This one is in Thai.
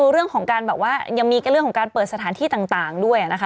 ๒เรื่องอยู่กับเรื่องของการเปิดสถานที่ต่างด้วยนะคะ